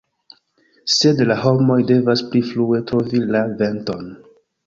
Sed la homoj devas pli frue trovi la venton”".